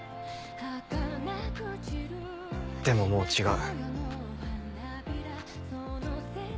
でももう違う。